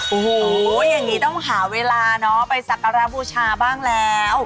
โอ้โหอย่างนี้ต้องหาเวลาเนาะไปสักการะบูชาบ้างแล้ว